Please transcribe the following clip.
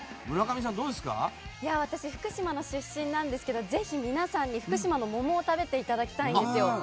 私、福島の出身なんですけどぜひ、皆さんに福島の桃を食べていただきたいんです。